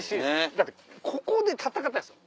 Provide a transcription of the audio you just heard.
だってここで戦ったんですよ。